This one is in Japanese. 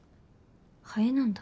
ハエなんだ。